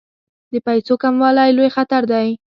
د پیسو کموالی لوی خطر دی.